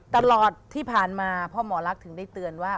ตลอดที่ผ่านมาพ่อหมอลักษณ์ถึงได้เตือนว่า